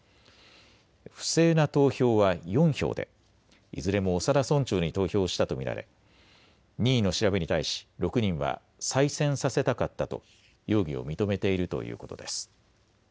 不正な投票は４票でいずれも長田村長に投票したと見られ任意の調べに対し６人は再選させたかったと容疑を認めているということです。